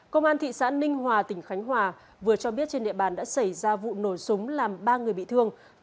công an thị xã ninh hòa tỉnh khánh hòa vừa cho biết trên địa bàn đã xảy ra vụ nổ súng làm ba người bị thương